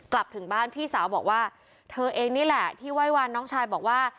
กลับถึงบ้านพี่สาวบอกว่าเธอเองนี่แหละที่ไหว้วันน้องชายบอกว่า